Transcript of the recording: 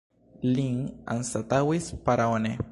Lin anstataŭigis Para One.